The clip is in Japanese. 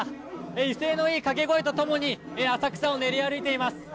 威勢のいい掛け声と共に浅草を練り歩いています。